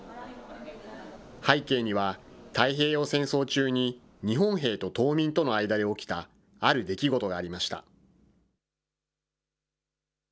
背景には、太平洋戦争中に日本兵と島民との間で起きたある出来事がありました。